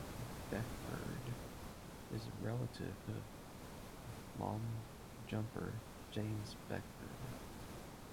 Beckford is a relative of long jumper James Beckford.